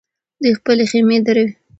دوی خپلې خېمې دروي.